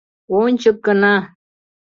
Ончык гына!